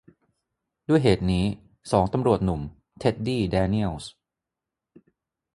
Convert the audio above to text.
ด้วยเหตุนี้สองตำรวจหนุ่ม เท็ดดี้ แดเนียลส์